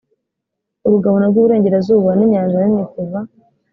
urugabano rw’iburengerazuba ni inyanja nini kuva ku